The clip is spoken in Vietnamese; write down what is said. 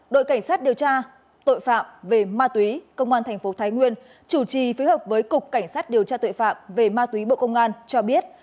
đội cảnh sát điều tra tội phạm về ma túy công an thành phố thái nguyên chủ trì phối hợp với cục cảnh sát điều tra tội phạm về ma túy bộ công an cho biết